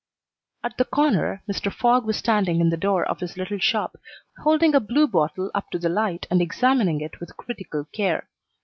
At the corner Mr. Fogg was standing in the door of his little shop, holding a blue bottle up to the light and examining it with critical care.